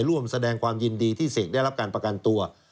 ร่วมแสดงความยินดีที่เสกได้รับการประกันตัว